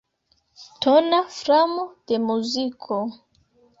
Tona framo de muziko.